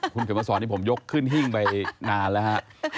คุณเขียนมาสอนนี่ผมยกขึ้นหิ้งไปนานแล้วฮะ